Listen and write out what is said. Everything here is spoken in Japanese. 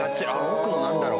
奥のなんだろう？